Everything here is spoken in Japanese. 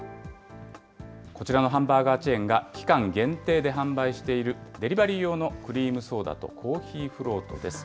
こちらのハンバーガーチェーンが期間限定で販売しているデリバリー用のクリームソーダとコーヒーフロートです。